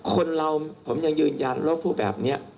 คนเราผมยังยืนยันโรคภูมิแบบนี้